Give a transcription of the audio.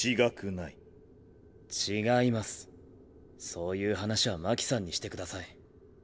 そういう話は真希さんにしてください。